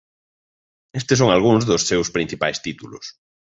Estes son algúns dos seus principais títulos.